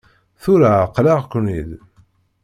Tura εeqleɣ-ken-id.